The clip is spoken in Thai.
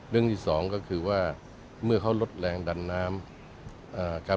เรื่องที่สองก็คือว่าเมื่อเขาลดแรงดันน้ำครับ